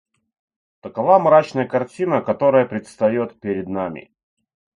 Такова мрачная картина, которая предстает перед нами.